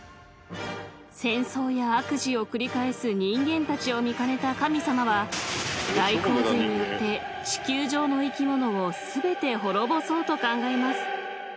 ［戦争や悪事を繰り返す人間たちを見かねた神様は大洪水によって地球上の生き物を全て滅ぼそうと考えます］